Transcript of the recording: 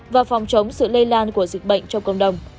và phòng chống sự lây lan của dịch bệnh trong cộng đồng